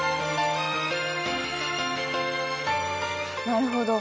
なるほど。